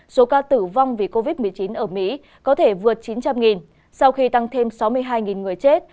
số ca tử vong vì covid một mươi chín ở mỹ có thể vượt chín trăm linh sau khi tăng thêm sáu mươi hai người chết